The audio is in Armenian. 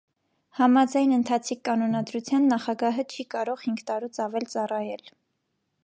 Համաձայն ընթացիկ կանոնադրության նախագահը չի կարող հինգ տարուց ավել ծառայել։